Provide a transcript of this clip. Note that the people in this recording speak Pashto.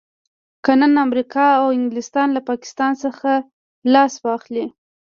که نن امريکا او انګلستان له پاکستان څخه لاس واخلي.